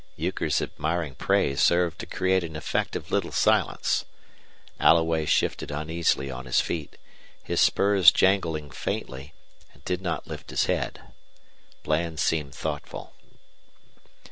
Euchre's admiring praise served to create an effective little silence. Alloway shifted uneasily on his feet, his spurs jangling faintly, and did not lift his head. Bland seemed thoughtful.